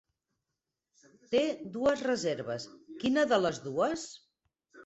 Té dues reserves, quina de les dues?